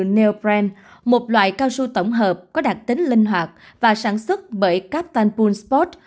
nail brand một loại cao su tổng hợp có đặc tính linh hoạt và sản xuất bởi captain pool sport